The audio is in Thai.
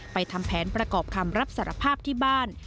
ทำแผนประกอบคำรับสารภาพที่บ้าน